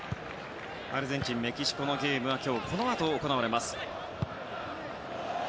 アルゼンチンとメキシコのゲームは今日、この後行われまｓす。